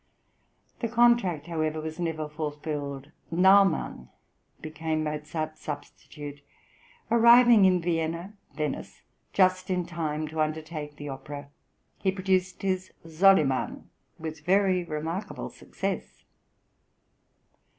The contract, however, was never fulfilled; Nau mann became Mozart's substitute, arriving in Vienna just in time to undertake the opera. He produced his "Soliman" with very remarkable success.